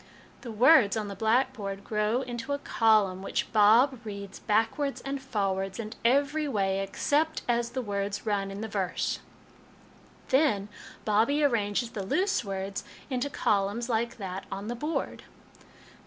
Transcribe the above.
The words on the black board grow into a column, which Bob reads back wards and forwards, and every way, except as the words run in the verse. " Then Bobbie arranges the loose words into columns like that on the board.